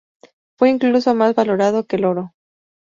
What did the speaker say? Fue incluso más valorado que el oro.